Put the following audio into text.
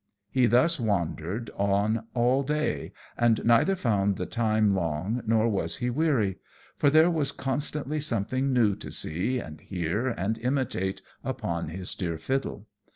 He thus wandered on all day, and neither found the time long, nor was he weary; for there was constantly something new to see, and hear, and imitate upon his dear fiddle.